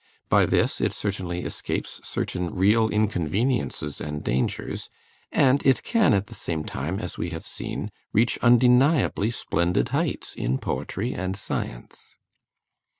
By this it certainly escapes certain real inconveniences and dangers; and it can at the same time, as we have seen, reach undeniably splendid heights in poetry and science.